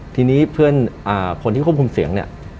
ทีนี้คนที่ควบคุมเสียง